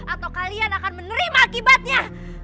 atau kalian akan menerima akibatnya